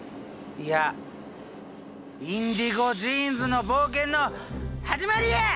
いや「インディゴ・ジーンズの冒険のはじまり」や！